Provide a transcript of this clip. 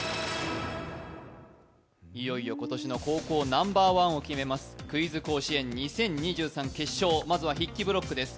いよいよ今年のナンバーワン高校を決めます、クイズ甲子園２０２３決勝まずは筆記ブロックです。